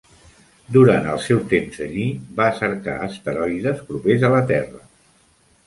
Durant el seu temps allí, va cercar asteroides propers a la Terra.